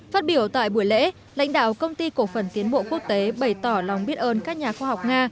phát biểu tại buổi lễ lãnh đạo công ty cổ phần tiến bộ quốc tế bày tỏ lòng biết ơn các nhà khoa học nga